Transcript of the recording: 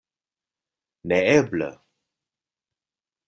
Neeble!